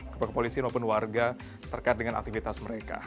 kepolisian maupun warga terkait dengan aktivitas mereka